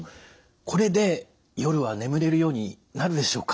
これで夜は眠れるようになるでしょうか？